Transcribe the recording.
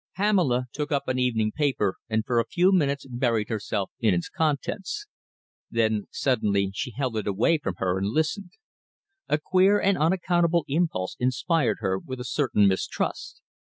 Pamela took up an evening paper and for a few minutes buried herself in its contents. Then suddenly she held it away from her and listened. A queer and unaccountable impulse inspired her with a certain mistrust.